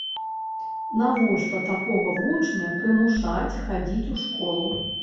Навошта такога вучня прымушаць хадзіць у школу?